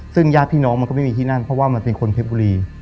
ซึ่งญาติพี่น้องมันก็ไม่มีที่นั่นเพราะว่ามันเป็นคนเพชรบุรี